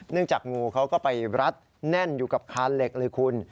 จากงูเขาก็ไปรัดแน่นอยู่กับคานเหล็กเลยคุณ